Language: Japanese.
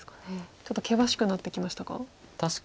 ちょっと険しくなってきましたか？